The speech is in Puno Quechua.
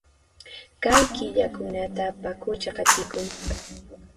Kay killakunata paqucha qatikun